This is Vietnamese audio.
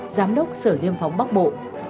giám đốc sở liên phóng bắc bộ